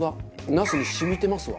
茄子に染みてますわ。